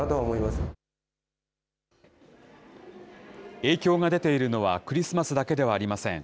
影響が出ているのはクリスマスだけではありません。